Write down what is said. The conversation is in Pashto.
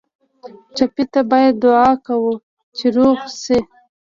ټپي ته باید دعا کوو چې روغ شي.